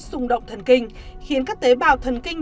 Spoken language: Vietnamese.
xúc động thần kinh khiến các tế bào thần kinh